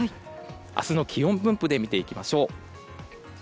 明日の気温分布で見ていきましょう。